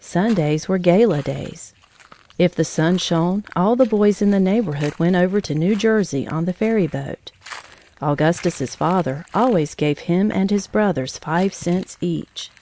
Sundays were gala days. If the sun shone, all the boys in the neighborhood went over to New Jersey on the ferry boat. Augustus's father always gave him and his brothers five cents each.